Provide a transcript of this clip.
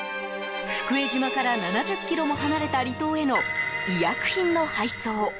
福江島から７０ｋｍも離れた離島への医薬品の配送。